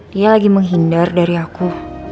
dia lagi menghindar dari aku